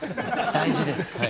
大事です。